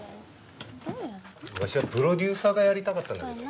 わしはプロデューサーがやりたかったんだけど。